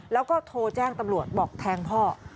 แล้วก็โทรแจ้งตำรวจบอกแทงพ่อ